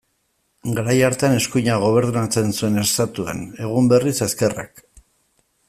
Garai hartan eskuinak gobernatzen zuen Estatuan, egun berriz, ezkerrak.